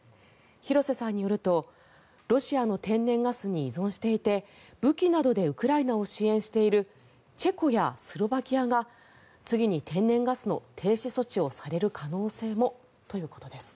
廣瀬さんによるとロシアの天然ガスに依存していて武器などでウクライナを支援しているチェコやスロバキアが次に天然ガスの停止措置をされる可能性もということです。